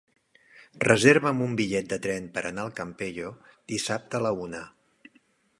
Reserva'm un bitllet de tren per anar al Campello dissabte a la una.